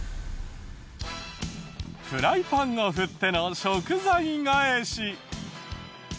フライパンを振っての食材返し。